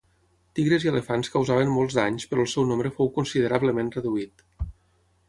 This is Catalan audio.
Tigres i elefants causaven molts danys però el seu nombre fou considerablement reduït.